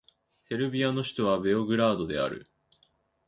セルビアの首都はベオグラードである